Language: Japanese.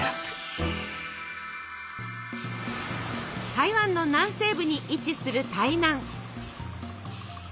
台湾の南西部に位置する台南。